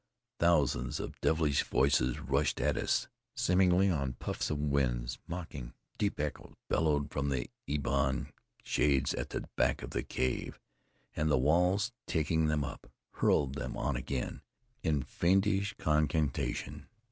Thousands of devilish voices rushed at us, seemingly on puffs of wind. Mocking, deep echoes bellowed from the ebon shades at the back of the cave, and the walls, taking them up, hurled them on again in fiendish concatenation.